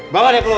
bawa dia keluar